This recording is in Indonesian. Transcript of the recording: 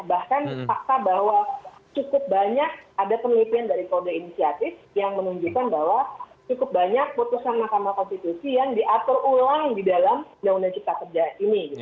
bahkan fakta bahwa cukup banyak ada penelitian dari kode inisiatif yang menunjukkan bahwa cukup banyak putusan mahkamah konstitusi yang diatur ulang di dalam undang undang cipta kerja ini